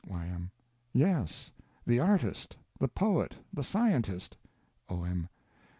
Y.M. Yes. The artist, the poet, the scientist. O.M.